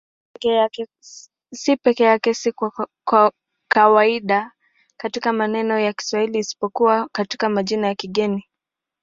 C peke yake si kawaida katika maneno ya Kiswahili isipokuwa katika majina ya kigeni.